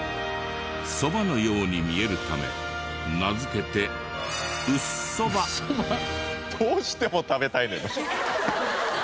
そばのように見えるため名付けてどうしても食べたいねんな。